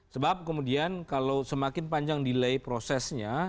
sebab kemudian kalau semakin panjang delay prosesnya